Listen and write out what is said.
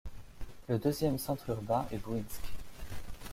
Le deuxième centre urbain est Bouïnsk.